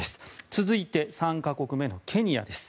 続いて、３か国目のケニアです。